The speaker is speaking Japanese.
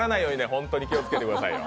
ホントに気をつけてくださいよ。